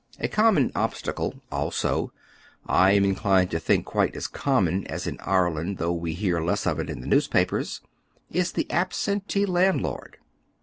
A common obstacle also — I am inclined to think quite as common as in Ire land, though we hear less of it in the newspapers^is the absentee landlord.